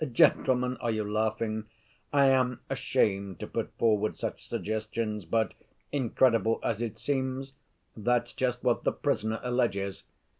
Gentlemen, are you laughing? I am ashamed to put forward such suggestions, but, incredible as it seems, that's just what the prisoner alleges.